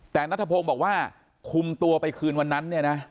แต่นัฐพงศ์บอกว่าคุมตัวไปคืนวันนั้น